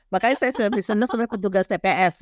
makanya saya bisnis sebagai petugas tps